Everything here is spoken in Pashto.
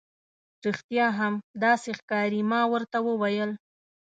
رښتیا هم، داسې ښکاري. ما ورته وویل.